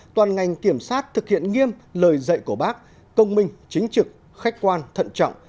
toàn ngành kiểm sát thực hiện nghiêm lời dạy của bác công minh chính trực khách quan thận trọng